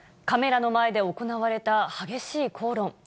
カメラの前で行われた激しい口論。